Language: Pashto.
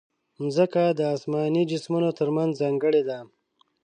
مځکه د اسماني جسمونو ترمنځ ځانګړې ده.